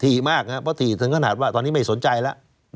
มากครับเพราะถี่ถึงขนาดว่าตอนนี้ไม่สนใจแล้ว